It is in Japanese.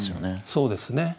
そうですね。